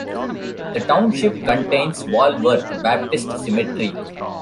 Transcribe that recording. The township contains Walworth Baptist Cemetery.